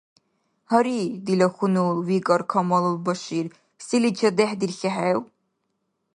– Гьари, дила хьунул, – викӀар Камалул Башир, – селичирад дехӀдирхьехӀев?